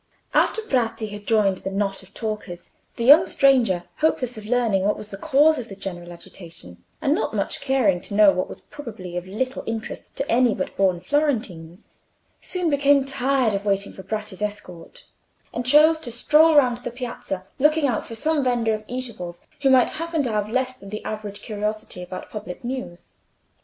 After Bratti had joined the knot of talkers, the young stranger, hopeless of learning what was the cause of the general agitation, and not much caring to know what was probably of little interest to any but born Florentines, soon became tired of waiting for Bratti's escort; and chose to stroll round the piazza, looking out for some vendor of eatables who might happen to have less than the average curiosity about public news.